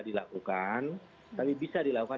dilakukan tapi bisa dilakukan